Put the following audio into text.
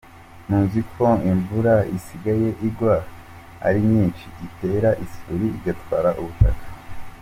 Muzi ko imvura isigaye igwa ari nyinshi itera isuri, igatwara ubutaka.